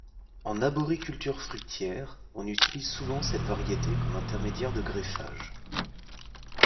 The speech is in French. En arboriculture fruitière, on utilise souvent cette variété comme intermédiaire de greffage.